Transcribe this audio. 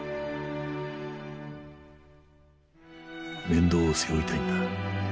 面倒を背負いたいんだ。